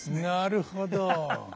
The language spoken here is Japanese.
なるほど。